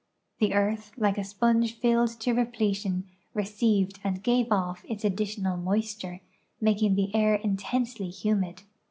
The earth, like a sponge filled to repletion, received and gave off' its additional moisture, making the air intensely humid.